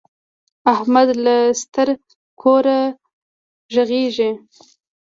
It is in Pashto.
احمد له ستره کوره غږيږي.